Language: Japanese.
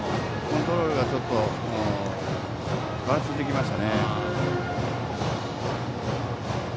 コントロールがちょっとばらついてきましたね。